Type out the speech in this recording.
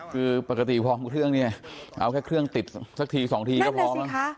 คือปกติพอเครื่องนี้เอาแค่เครื่องติดสักที๒ทีก็พอ